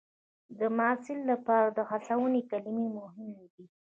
د محصل لپاره د هڅونې کلمې مهمې دي.